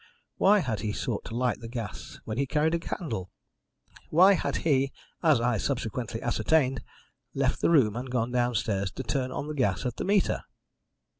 Why had he sought to light the gas, when he carried a candle? Why had he as I subsequently ascertained left the room and gone downstairs to turn on the gas at the meter?